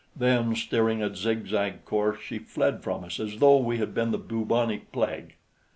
Then, steering a zigzag course, she fled from us as though we had been the bubonic plague.